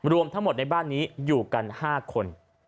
รวมทั้งหมดในบ้านนี้อยู่กัน๕คน